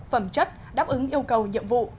phẩm chất đáp ứng yêu cầu nhiệm vụ